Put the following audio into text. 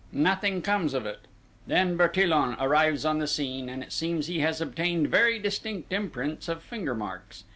Nothing comes of it. Then Bertillon arrives on the scene, and it seems he has obtained very distinct imprints of finger marks.